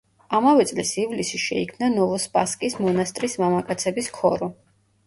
ამავე წლის ივლისში შეიქმნა ნოვოსპასკის მონასტრის მამაკაცების ქორო.